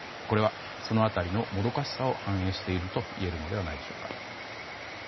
これはその辺りのもどかしさを反映しているといえるのではないでしょうか。